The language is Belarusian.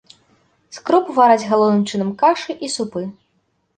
З круп вараць галоўным чынам кашы і супы.